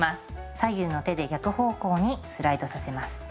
左右の手で逆方向にスライドさせます。